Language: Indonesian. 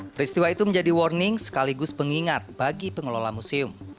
peristiwa itu menjadi warning sekaligus pengingat bagi pengelola museum